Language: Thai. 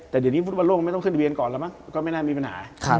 แต่เดี๋ยวนี้ฟุตบอลโลกไม่ต้องขึ้นเวียนก่อนแล้วมั้งก็ไม่น่ามีปัญหา